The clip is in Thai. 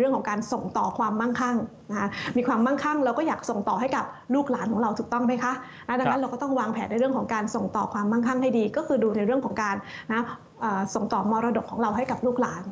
เรื่องของการส่งต่อมรดกของเราให้กับลูกหลาน